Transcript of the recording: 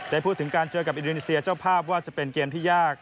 พูดถึงการเจอกับอินโดนีเซียเจ้าภาพว่าจะเป็นเกมที่ยาก